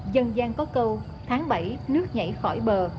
dân gian có câu tháng bảy nước nhảy khỏi bờ